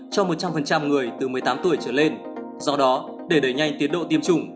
cho một trăm linh người từ một mươi tám tuổi trở lên